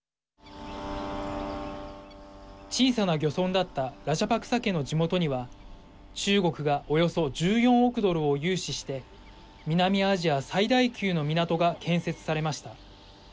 小さな漁村だったラジャパクサ家の地元には中国がおよそ１４億ドルを融資して南アジア最大級の港が建設されました。